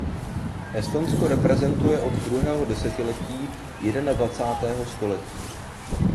Estonsko reprezentuje od druhého desetiletí jednadvacátého století.